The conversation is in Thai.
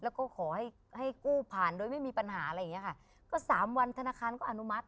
แล้วก็ขอให้ให้กู้ผ่านโดยไม่มีปัญหาอะไรอย่างเงี้ค่ะก็สามวันธนาคารก็อนุมัติ